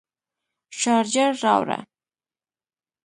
شارجر راوړه